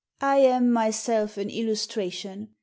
I am myself an illustration.